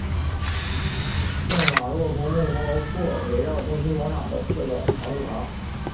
圣玛洛公墓包括围绕中心广场的四个藏骨堂。